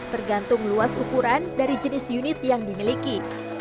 tergantung luas ukuran dari jenis unit yang dimiliki